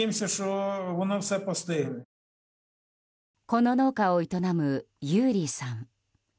この農家を営むユーリィさん。